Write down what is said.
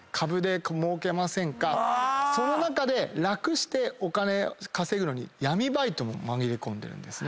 その中で楽してお金稼ぐのに闇バイトも紛れ込んでるんですね。